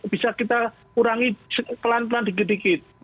bisa kita kurangi pelan pelan dikit dikit